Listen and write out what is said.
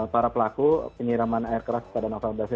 para pelaku penyiraman air keras pada nafas nafas